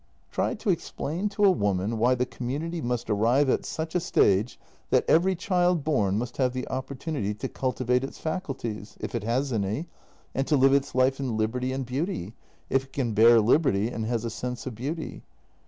Try to explain to a woman why the community must arrive at such a stage that every child born must have the opportunity to cultivate its faculties, if it has any, and to live its life in liberty and beauty — if it can bear liberty and has a sense of beauty.